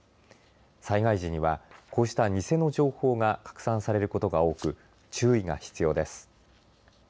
災害時には、こうした偽の情報が拡散されることが多く注意が必要です。